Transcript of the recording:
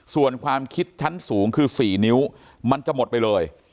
ส่วนความคิดชั้นสูงคือ๔นิ้วมันจะหมดไปเลย